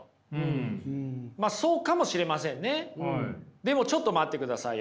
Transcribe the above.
でもちょっと待ってくださいよ。